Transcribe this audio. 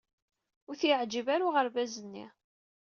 Ur t-yeɛjib ara uɣerbaz-nni.